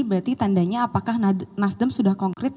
berarti tandanya apakah nasdem sudah konkret